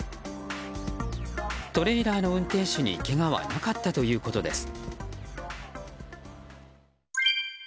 トレーラーの運転手にけがはなかったということです。